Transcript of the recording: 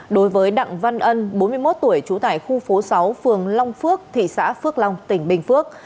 đối với đặng văn ân bốn mươi một tuổi trú tại khu phố sáu phường long phước thị xã phước long tỉnh bình phước